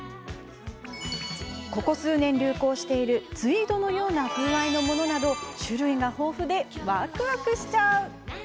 ここ数年、流行しているツイードのような風合いのものなど種類が豊富でわくわくしちゃう。